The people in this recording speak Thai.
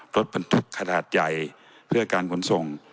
รถบรรทุกขนาดใหญ่เพื่อการขนส่ง